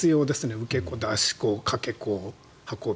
受け子、出し子、かけ子、運び。